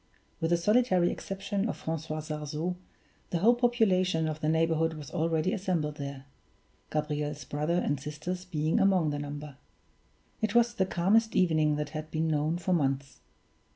With the solitary exception of Francois Sarzeau, the whole population of the neighborhood was already assembled there, Gabriel's brother and sisters being among the number. It was the calmest evening that had been known for months.